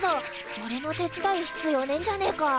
おれの手伝う必要ねえんじゃねえか？